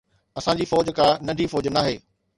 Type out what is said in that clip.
اسان جي فوج ڪا ننڍي فوج ناهي.